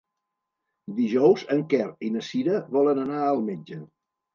Dijous en Quer i na Cira volen anar al metge.